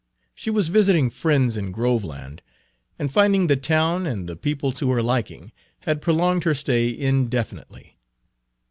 She was visiting friends in Groveland, and, finding the town and the people to her liking, had prolonged her stay indefinitely.